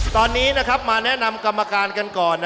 ตอนนี้มาแนะนำกรรมการกันก่อน